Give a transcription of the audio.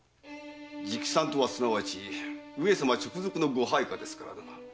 直参とはすなわち上様直属のご配下ですからな。